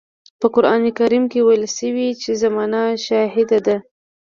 په قرآن کريم کې ويل شوي چې زمانه شاهده ده.